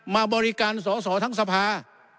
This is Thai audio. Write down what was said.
มาบริการสอสอทั้งสภา